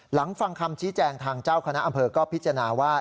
ฟังคำชี้แจงทางเจ้าคณะอำเภอก็พิจารณาว่า